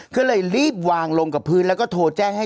ก็เลยรีบวางลงกับพื้นรับเราแจ้งให้